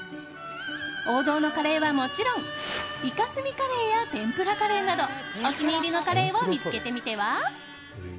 王道のカレーはもちろんイカスミカレーや天ぷらカレーなどお気に入りのカレーを見つけてみては？